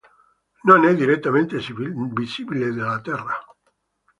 Non è direttamente visibile dalla Terra.